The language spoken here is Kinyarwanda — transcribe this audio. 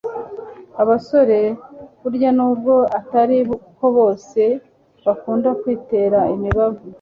Abasore burya n'ubwo atari ko bose bakunda kwitera imibavu